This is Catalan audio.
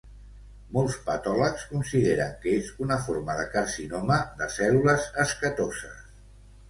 Molts patòlegs consideren que és una forma de carcinoma de cèl·lules escatoses.